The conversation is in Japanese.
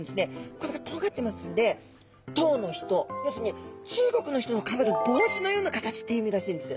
これがとんがってますんで唐の人要するに中国の人のかぶる帽子のような形っていう意味らしいんです。